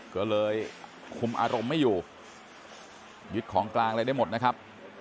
ก็เลยคุมอารมณ์ไม่อยู่ยึดของกลางอะไรได้หมดนะครับ